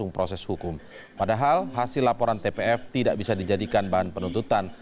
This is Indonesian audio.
padahal hasil laporan tpf tidak bisa dijadikan bahan penuntutan